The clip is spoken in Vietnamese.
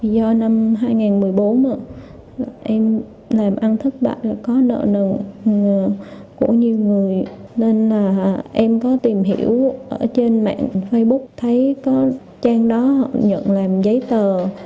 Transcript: do năm hai nghìn một mươi bốn em làm ăn thức bạn là có nợ nần của nhiều người nên em có tìm hiểu ở trên mạng facebook thấy có trang đó họ nhận làm giấy tờ